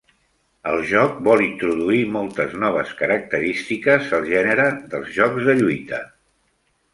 El joc vol introduir moltes noves característiques al gènere dels jocs de lluita.